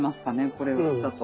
これだと。